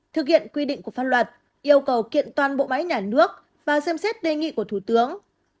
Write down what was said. thực hiện quy định của pháp luật yêu cầu kiện toàn bộ máy nhà nước và xem xét đề nghị của thủ tướng